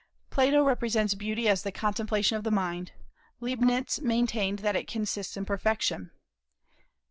"Plato represents beauty as the contemplation of the mind. Leibnitz maintained that it consists in perfection.